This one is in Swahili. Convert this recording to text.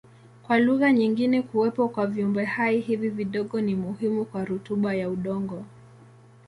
Kwa lugha nyingine kuwepo kwa viumbehai hivi vidogo ni muhimu kwa rutuba ya udongo.